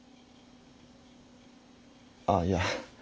ああいや